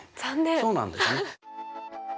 そうなんですね。